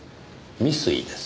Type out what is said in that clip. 未遂です。